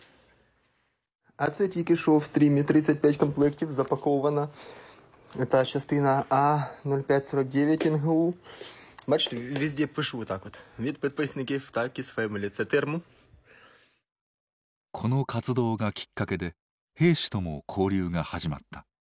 この活動がきっかけで兵士とも交流が始まった。